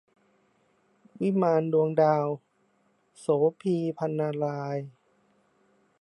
วิมานดวงดาว - โสภี พรรณราย